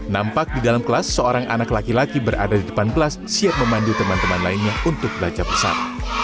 nampak di dalam kelas seorang anak laki laki berada di depan kelas siap memandu teman teman lainnya untuk belajar pesan